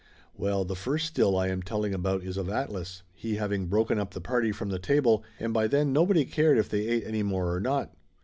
Well, the first still I am telling about is of Atlas, he having broken up the party from the table and by then nobody cared if they ate any more or not.